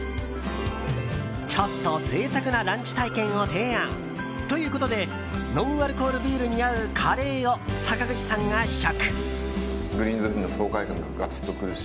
ちょっと贅沢なランチ体験を提案ということでノンアルコールビールに合うカレーを坂口さんが試食。